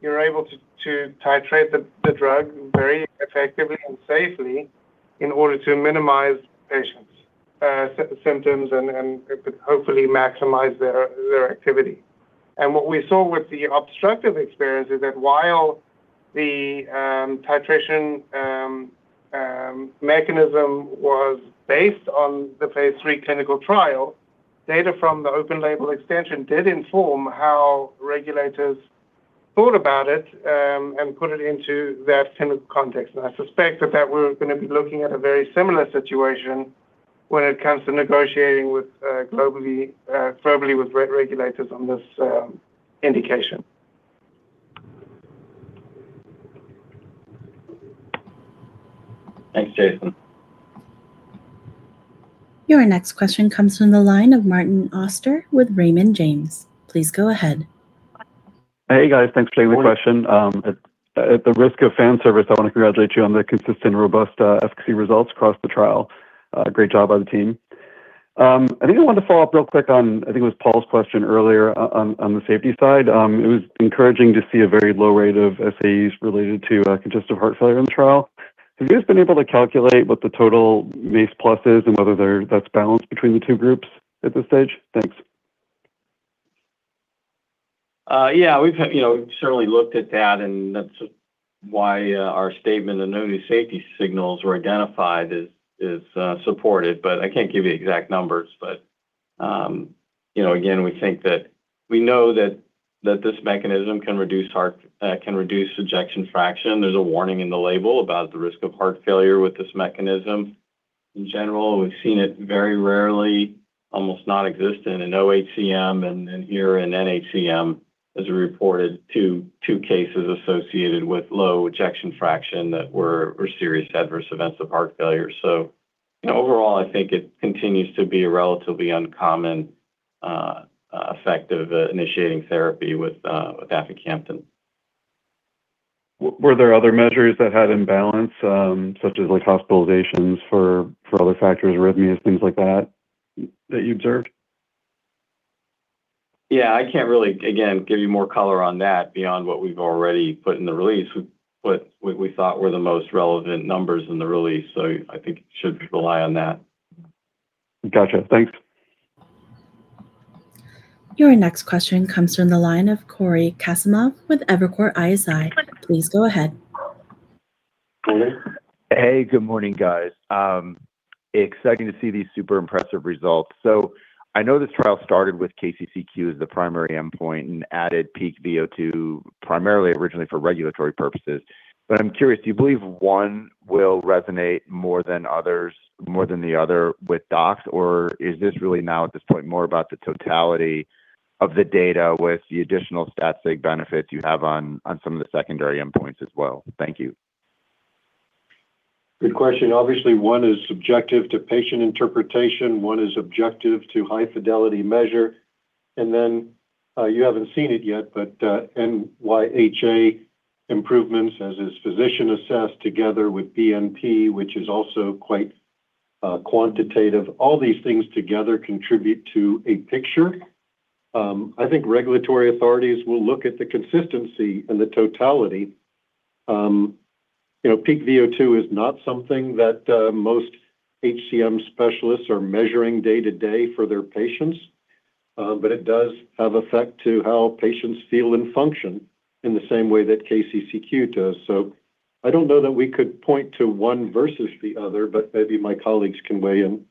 Speaker 7: you're able to titrate the drug very effectively and safely in order to minimize patients' symptoms and hopefully maximize their activity. What we saw with the obstructive experience is that while the titration mechanism was based on the phase III clinical trial, data from the open label extension did inform how regulators thought about it and put it into that clinical context. I suspect that we're gonna be looking at a very similar situation when it comes to negotiating with globally with regulators on this indication.
Speaker 3: Thanks, Jason.
Speaker 1: Your next question comes from the line of Martin Auster with Raymond James. Please go ahead.
Speaker 20: Hey, guys. Thanks for taking the question.
Speaker 3: Morning.
Speaker 20: At the risk of fan service, I wanna congratulate you on the consistent, robust, FC results across the trial. Great job by the team. I think I wanted to follow up real quick on, I think it was Paul's question earlier on the safety side. It was encouraging to see a very low rate of SAEs related to congestive heart failure in the trial. Have you guys been able to calculate what the total MAPLE-HCM is and whether that's balanced between the two groups at this stage? Thanks.
Speaker 4: You know, we've certainly looked at that, and that's why our statement of no new safety signals were identified is supported. I can't give you exact numbers. You know, again, we think that we know that this mechanism can reduce heart, can reduce ejection fraction. There's a warning in the label about the risk of heart failure with this mechanism. In general, we've seen it very rarely, almost nonexistent in oHCM, and then here in nHCM as we reported two cases associated with low ejection fraction that were serious adverse events of heart failure. You know, overall, I think it continues to be a relatively uncommon effect of initiating therapy with aficamten.
Speaker 20: Were there other measures that had imbalance, such as like hospitalizations for other factors, arrhythmias, things like that you observed?
Speaker 4: Yeah. I can't really, again, give you more color on that beyond what we've already put in the release. We put what we thought were the most relevant numbers in the release. I think should rely on that.
Speaker 20: Gotcha. Thanks.
Speaker 1: Your next question comes from the line of Cory Kasimov with Evercore ISI. Please go ahead.
Speaker 21: Hey, good morning, guys. Exciting to see these super impressive results. I know this trial started with KCCQ as the primary endpoint and added peak VO2 primarily originally for regulatory purposes. I'm curious, do you believe one will resonate more than others, more than the other with docs? Is this really now at this point more about the totality of the data with the additional statistical significance benefits you have on some of the secondary endpoints as well? Thank you.
Speaker 3: Good question. Obviously, one is subjective to patient interpretation. One is objective to high fidelity measure. You haven't seen it yet, but NYHA improvements as is physician assessed together with BNP, which is also quite quantitative. All these things together contribute to a picture. I think regulatory authorities will look at the consistency and the totality. You know, peak VO2 is not something that most HCM specialists are measuring day to day for their patients. But it does have effect to how patients feel and function in the same way that KCCQ does. I don't know that we could point to one versus the other, but maybe my colleagues can weigh in.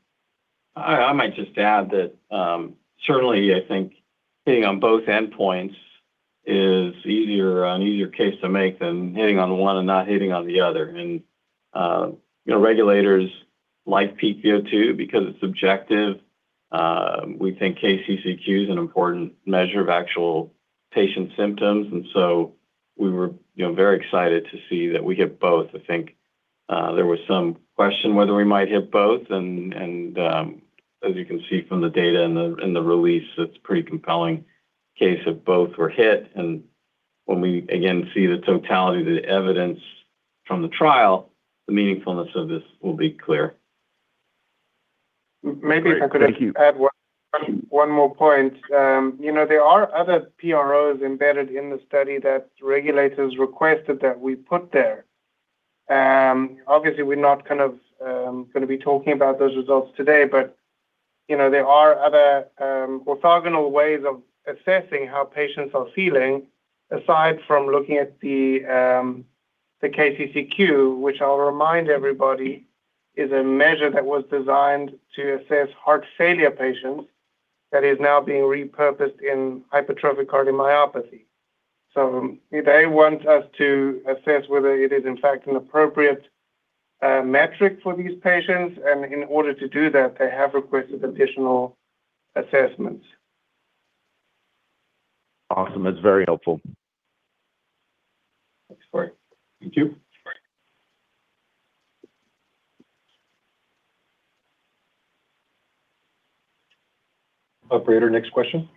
Speaker 4: I might just add that, certainly I think hitting on both endpoints is an easier case to make than hitting on one and not hitting on the other. Regulators like peak VO2 because it's objective. We think KCCQ is an important measure of actual patient symptoms. So we were, you know, very excited to see that we hit both. I think there was some question whether we might hit both. As you can see from the data in the release, it's a pretty compelling case that both were hit. When we again see the totality of the evidence from the trial, the meaningfulness of this will be clear.
Speaker 3: Great. Thank you.
Speaker 7: Maybe if I could just add one more point. You know, there are other PROs embedded in the study that regulators requested that we put there. Obviously we're not kind of, gonna be talking about those results today. You know, there are other orthogonal ways of assessing how patients are feeling aside from looking at the KCCQ, which I'll remind everybody is a measure that was designed to assess heart failure patients that is now being repurposed in hypertrophic cardiomyopathy. They want us to assess whether it is in fact an appropriate metric for these patients. In order to do that, they have requested additional assessments.
Speaker 21: Awesome. That's very helpful.
Speaker 3: Thanks, Cory.
Speaker 21: Thank you.
Speaker 7: All right.
Speaker 3: Operator, next question.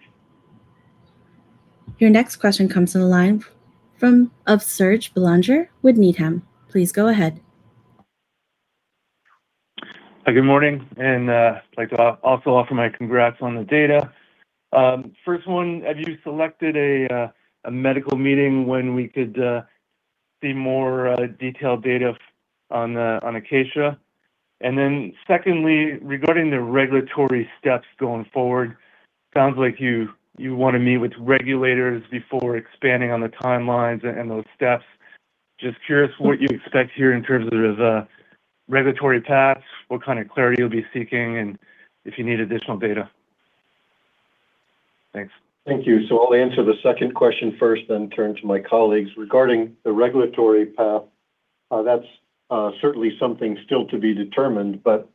Speaker 1: Your next question comes on the line from Serge Belanger with Needham. Please go ahead.
Speaker 22: Hi, good morning, and I'd like to also offer my congrats on the data. First one, have you selected a medical meeting when we could see more detailed data on ACACIA? Then secondly, regarding the regulatory steps going forward, sounds like you wanna meet with regulators before expanding on the timelines and those steps. Just curious what you expect here in terms of regulatory paths, what kind of clarity you'll be seeking, and if you need additional data. Thanks.
Speaker 3: Thank you. I'll answer the second question first, then turn to my colleagues. Regarding the regulatory path, that's certainly something still to be determined, but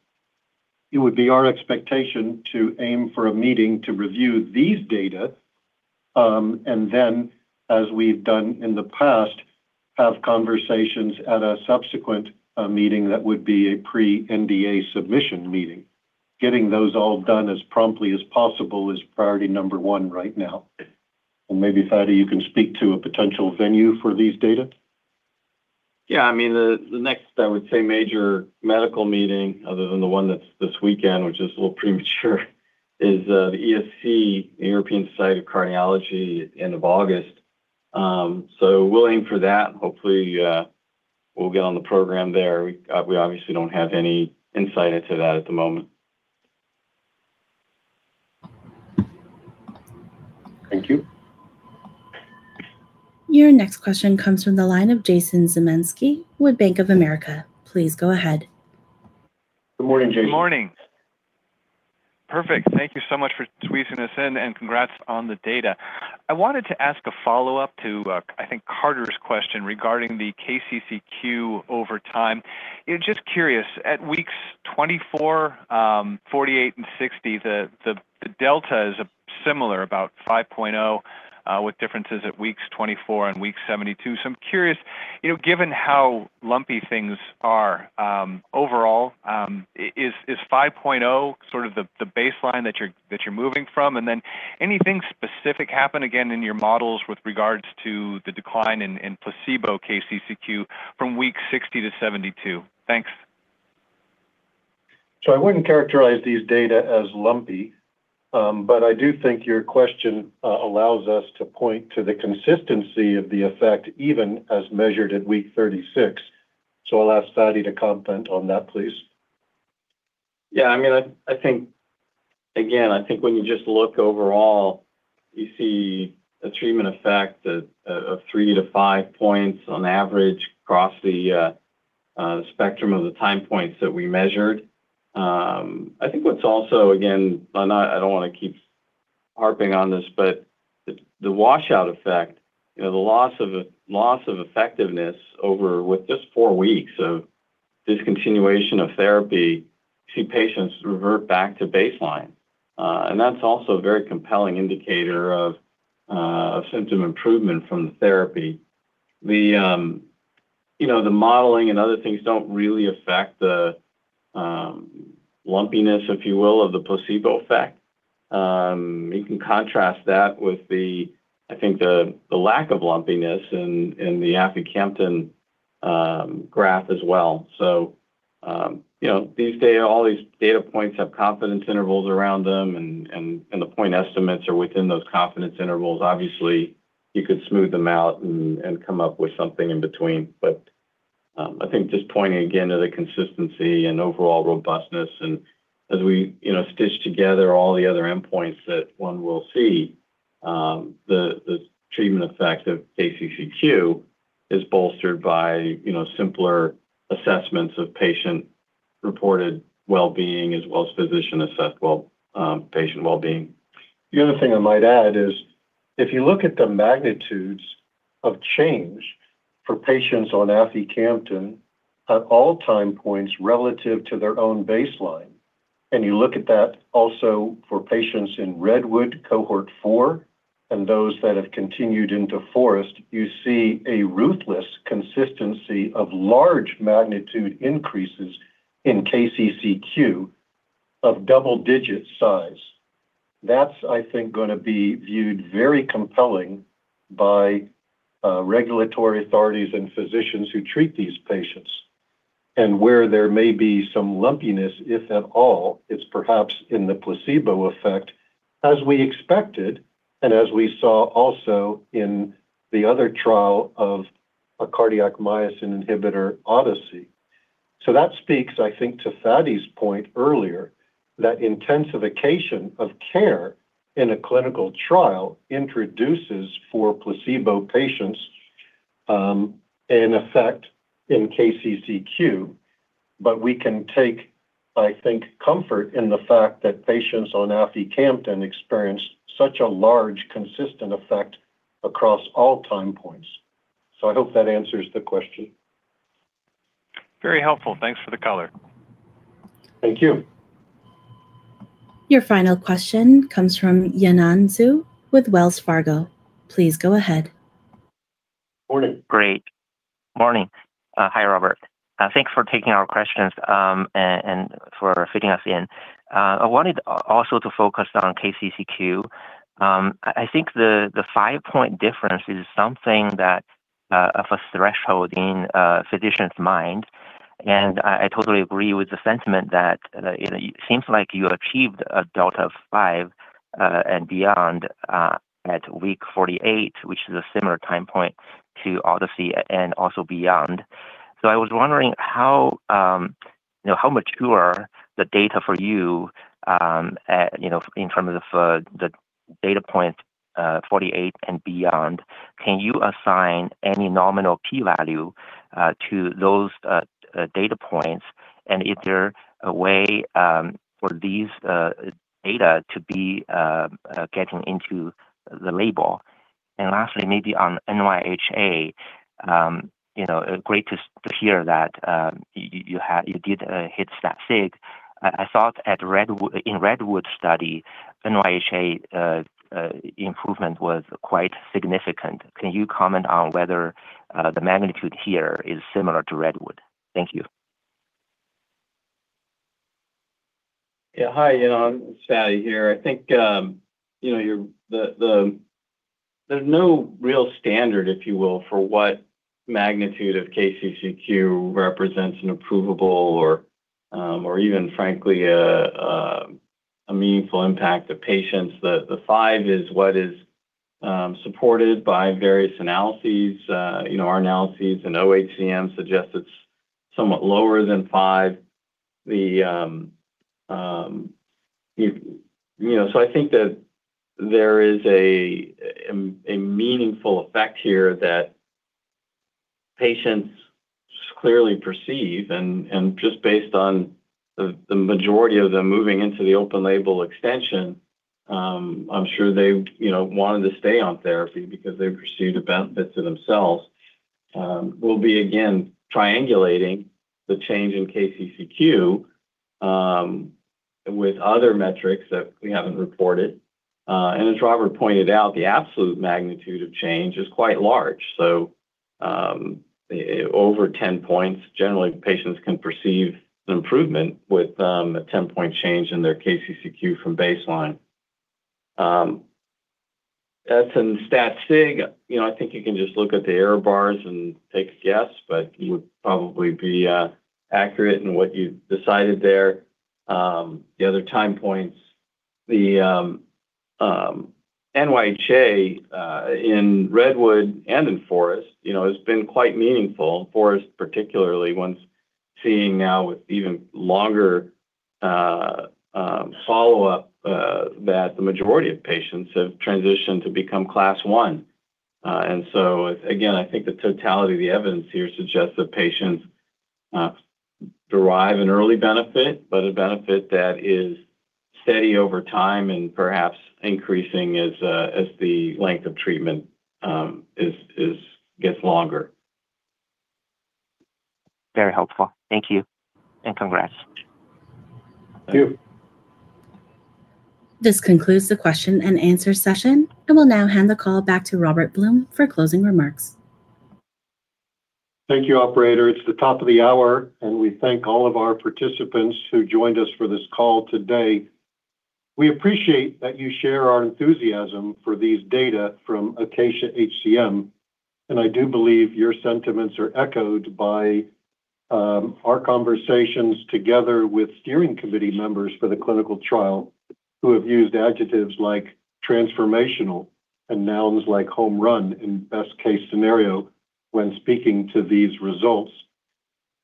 Speaker 3: it would be our expectation to aim for a meeting to review these data, and then, as we've done in the past, have conversations at a subsequent meeting that would be a pre-NDA submission meeting. Getting those all done as promptly as possible is priority number one right now. And maybe, Fady, you can speak to a potential venue for these data.
Speaker 4: Yeah, I mean, the next, I would say, major medical meeting other than the one that's this weekend, which is a little premature, is the ESC, the European Society of Cardiology, end of August. We'll aim for that. Hopefully, we'll get on the program there. We obviously don't have any insight into that at the moment.
Speaker 3: Thank you.
Speaker 1: Your next question comes from the line of Jason Zemansky with Bank of America. Please go ahead.
Speaker 3: Good morning, Jason.
Speaker 23: Good morning. Perfect. Thank you so much for squeezing us in, and congrats on the data. I wanted to ask a follow-up to I think Carter's question regarding the KCCQ over time. You know, just curious, at weeks 24, 48, and 60, the delta is similar, about 5.0, with differences at weeks 24 and weeks 72. I'm curious, you know, given how lumpy things are overall, is 5.0 sort of the baseline that you're moving from? Anything specific happen again in your models with regards to the decline in placebo KCCQ from week 60 to 72? Thanks.
Speaker 3: I wouldn't characterize these data as lumpy. I do think your question allows us to point to the consistency of the effect even as measured at week 36. I'll ask Fady to comment on that, please.
Speaker 4: I mean, I think, again, I think when you just look overall, you see a treatment effect of three to five points on average across the spectrum of the time points that we measured. I think what's also, again, and I don't wanna keep harping on this, but the washout effect, you know, the loss of effectiveness over with just four weeks of discontinuation of therapy, see patients revert back to baseline. That's also a very compelling indicator of symptom improvement from the therapy. The, you know, the modeling and other things don't really affect the lumpiness, if you will, of the placebo effect. You can contrast that with the, I think the lack of lumpiness in the aficamten graph as well. You know, these data, all these data points have confidence intervals around them, and the point estimates are within those confidence intervals. Obviously, you could smooth them out and come up with something in between. I think just pointing again to the consistency and overall robustness and as we, you know, stitch together all the other endpoints that one will see, the treatment effect of KCCQ is bolstered by, you know, simpler assessments of patient-reported well-being as well as physician-assessed patient well-being.
Speaker 3: The other thing I might add is if you look at the magnitudes of change for patients on aficamten at all time points relative to their own baseline, and you look at that also for patients in REDWOOD-HCM Cohort 4 and those that have continued into FOREST-HCM, you see a ruthless consistency of large magnitude increases in KCCQ of double-digit size. That's, I think, gonna be viewed very compelling by regulatory authorities and physicians who treat these patients. Where there may be some lumpiness, if at all, it's perhaps in the placebo effect as we expected and as we saw also in the other trial of a cardiac myosin inhibitor, ODYSSEY-HCM. That speaks, I think, to Fady's point earlier that intensification of care in a clinical trial introduces for placebo patients an effect in KCCQ. We can take, I think, comfort in the fact that patients on aficamten experienced such a large consistent effect across all time points. I hope that answers the question.
Speaker 23: Very helpful. Thanks for the color.
Speaker 3: Thank you.
Speaker 1: Your final question comes from Yanan Zhu with Wells Fargo. Please go ahead.
Speaker 24: Morning. Great. Morning. Hi, Robert Blum. Thanks for taking our questions and for fitting us in. I wanted also to focus on KCCQ. I think the five-point difference is something that of a threshold in a physician's mind. I totally agree with the sentiment that, you know, it seems like you achieved a delta of five and beyond at week 48, which is a similar time point to ODYSSEY-HCM and also beyond. I was wondering how, you know, how mature the data for you at, you know, in terms of the data point 48 and beyond. Can you assign any nominal P-value to those data points? Is there a way for these data to be getting into the label? Lastly, maybe on NYHA, you know, great to hear that you did hit that sig. I thought at REDWOOD-HCM in REDWOOD-HCM study, NYHA improvement was quite significant. Can you comment on whether the magnitude here is similar to REDWOOD-HCM? Thank you.
Speaker 4: Yeah. Hi, Yanan. It's Fady here. I think, you know, there's no real standard, if you will, for what magnitude of KCCQ represents an approvable or even frankly a meaningful impact to patients. The five is what is supported by various analyses. You know, our analyses and oHCM suggests it's somewhat lower than five. You know, so I think that there is a meaningful effect here that patients clearly perceive. Just based on the majority of them moving into the open-label extension, I'm sure they, you know, wanted to stay on therapy because they perceived a benefit to themselves. We'll be again triangulating the change in KCCQ with other metrics that we haven't reported. As Robert pointed out, the absolute magnitude of change is quite large. Over 10 points, generally patients can perceive an improvement with a 10-point change in their KCCQ from baseline. As in stats sig, you know, I think you can just look at the error bars and take a guess, but you would probably be accurate in what you decided there. The other time points, the NYHA in REDWOOD-HCM and in FOREST-HCM, you know, has been quite meaningful. FOREST-HCM particularly, one's seeing now with even longer follow-up that the majority of patients have transitioned to become Class 1. Again, I think the totality of the evidence here suggests that patients derive an early benefit, but a benefit that is steady over time and perhaps increasing as the length of treatment gets longer.
Speaker 24: Very helpful. Thank you and congrats.
Speaker 4: Thank you.
Speaker 1: This concludes the question-and-answer session. I will now hand the call back to Robert Blum for closing remarks.
Speaker 3: Thank you, operator. It's the top of the hour, and we thank all of our participants who joined us for this call today. We appreciate that you share our enthusiasm for these data from ACACIA-HCM, and I do believe your sentiments are echoed by our conversations together with steering committee members for the clinical trial who have used adjectives like transformational and nouns like home run and best case scenario when speaking to these results.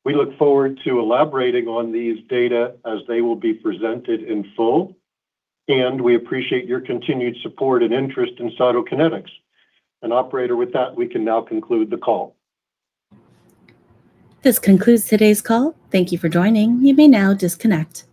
Speaker 3: We look forward to elaborating on these data as they will be presented in full, and we appreciate your continued support and interest in Cytokinetics. Operator, with that, we can now conclude the call.
Speaker 1: This concludes today's call. Thank you for joining. You may now disconnect.